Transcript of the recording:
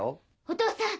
お父さん